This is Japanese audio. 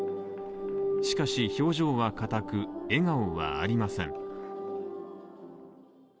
しかし、表情はかたく、笑顔はありません。